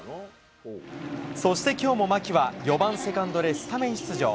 そしてきょうも牧は、４番セカンドでスタメン出場。